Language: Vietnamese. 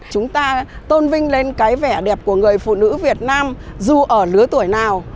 chúng ta tôn vinh lên cái vẻ đẹp của người phụ nữ việt nam dù ở lứa tuổi nào